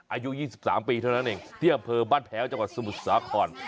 อายุ๒๓ปีเท่านั้นเองที่อำเภอบ้านแพ้วจังหวัดสมุทรสาคร